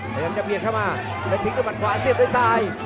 พยายามจะเบียดเข้ามาแล้วทิ้งด้วยมัดขวาเสียบด้วยซ้าย